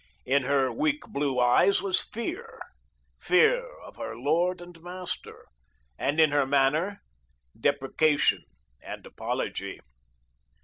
In her weak blue eyes was fear fear of her lord and master, and in her manner deprecation and apology.